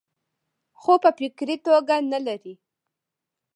خو پۀ فکري توګه نۀ لري -